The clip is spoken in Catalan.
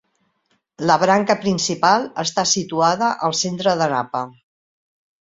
La branca principal està situada al centre de Napa.